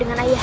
dan ia akan